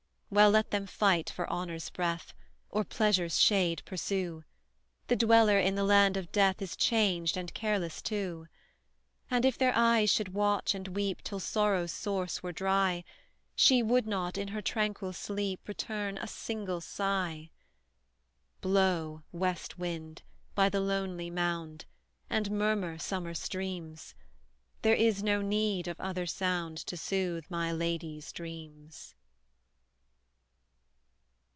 Well, let them fight for honour's breath, Or pleasure's shade pursue The dweller in the land of death Is changed and careless too. And, if their eyes should watch and weep Till sorrow's source were dry, She would not, in her tranquil sleep, Return a single sigh! Blow, west wind, by the lonely mound, And murmur, summer streams There is no need of other sound To soothe my lady's dreams.